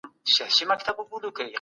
څه ډول تمرین ګلایکوجن سوځوي؟